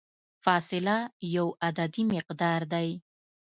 فاصله یو عددي مقدار دی.